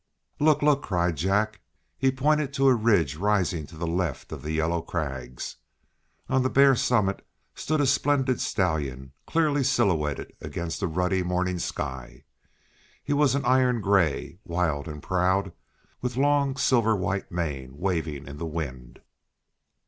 "Look! look!" cried Jack. He pointed to a ridge rising to the left of the yellow crags. On the bare summit stood a splendid stallion clearly silhouetted against the ruddy morning sky. He was an iron gray, wild and proud, with long silver white mane waving in the wind.